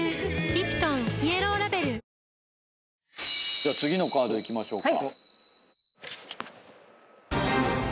じゃあ次のカードいきましょうか。